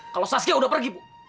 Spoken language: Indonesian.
kalau saskia udah pergi bu